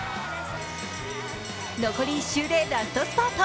残り１周でラストスパート。